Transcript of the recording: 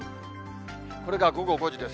これが午後５時です。